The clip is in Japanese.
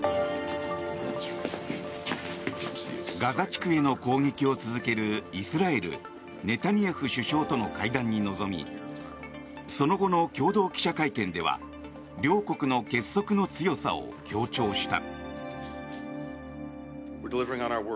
ガザ地区への攻撃を続けるイスラエル、ネタニヤフ首相との会談に臨みその後の共同記者会見では両国の結束の強さを強調した。